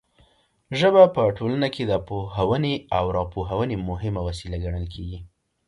ژبه په ټولنه کې د پوهونې او راپوهونې مهمه وسیله ګڼل کیږي.